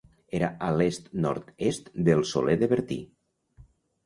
Era a l'est-nord-est del Soler de Bertí.